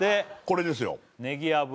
これですよ